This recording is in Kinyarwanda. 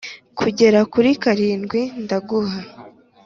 kugera kuri karindwi ndaguha